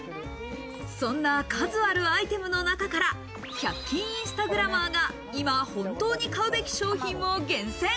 そんな数あるアイテムの中から、１００均インスタグラマーが今本当に買うべき商品を厳選。